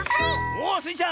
おっスイちゃん！